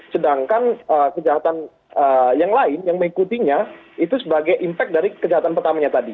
sedangkan kejahatan yang lain yang mengikutinya itu sebagai impact dari kejahatan pertamanya tadi